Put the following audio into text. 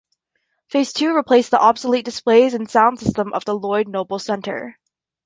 Phase two replaced the obsolete displays and sound system of the Lloyd Noble Center.